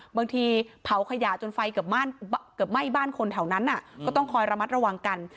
บางทีเผาขยะจนไฟเกือบไหม้บ้านคนแถวนั้นก็ต้องคอยระมัดระวังกัน